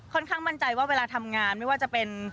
ข้างมั่นใจว่าเวลาทำงานไม่ว่าจะเป็น